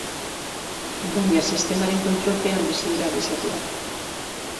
Baina sistemaren kontrolpean bizi dira gizakiak.